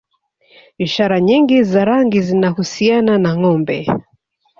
Ishara nyingi za rangi zinahusiana na Ngombe